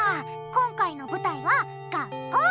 今回の舞台は学校！